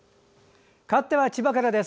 かわっては千葉からです。